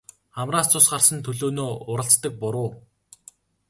Хамраас цус гарсан төлөөнөө уралцдаг буруу.